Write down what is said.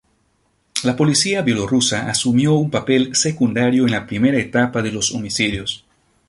La policía bielorrusa asumió un papel secundario en la primera etapa de los homicidios.